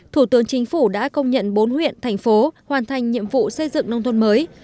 thủ tướng chính phủ đã công nhận bốn huyện thành phố hoàn thành nhiệm vụ xây dựng nông thôn mới